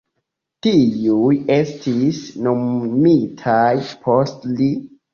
Tiuj estis nomumitaj post li.